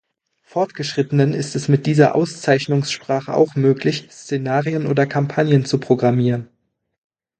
Fortgeschrittenen ist es mit dieser Auszeichnungssprache auch möglich, Szenarien oder Kampagnen zu programmieren.